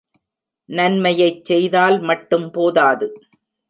நன்மையைச் செய்தால் மட்டும் போதாது.